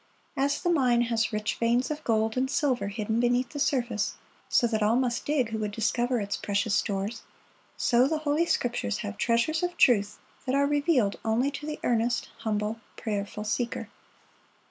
As the mine has rich veins of gold and silver hidden beneath the surface, so that all must dig who would discover its precious stores, so the Holy Scriptures have treasures of truth that are revealed only to the earnest, humble, prayerful seeker.